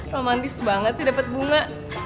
romantis banget sih dapet bunga